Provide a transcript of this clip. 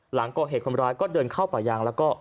หลังก่อเหตุคนร้ายก็เดินเข้าป่ายางแล้วก็